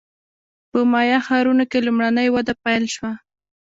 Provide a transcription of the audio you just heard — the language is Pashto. په مایا ښارونو کې لومړنۍ وده پیل شوه